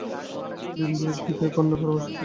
দিন-দুয়েক পিতায় ও কন্যায় পরামর্শ চলিল।